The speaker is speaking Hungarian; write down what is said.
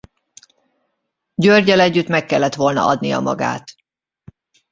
Györggyel együtt meg kellett volna adnia magát.